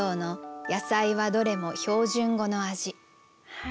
はい。